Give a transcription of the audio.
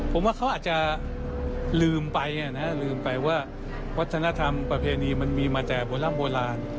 ผมว่าเขาอาจจะลืมไปลืมไปว่าวัฒนธรรมประเพณีมันมีมาแต่โบร่ำโบราณ